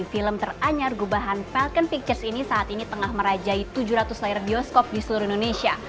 film teranyar gubahan falcon pictures ini saat ini tengah merajai tujuh ratus layar bioskop di seluruh indonesia